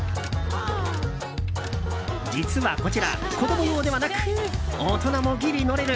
実はこちら、子供用ではなく大人もギリ乗れる